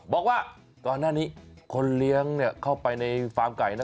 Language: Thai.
บอกว่าก่อนหน้านี้คนเลี้ยงเข้าไปในฟาร์มไก่นะ